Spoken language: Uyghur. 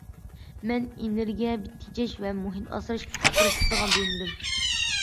مەن‹‹ ئېنېرگىيە تېجەش ۋە مۇھىت ئاسراش›› گۇرۇپپىسىغا بۆلۈندۈم.